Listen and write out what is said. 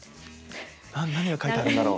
何が書いてあるんだろう。